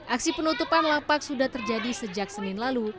aksi penutupan lapak sudah terjadi sejak senin lalu